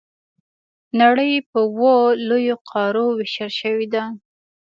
نړۍ په اووه لویو قارو وېشل شوې ده.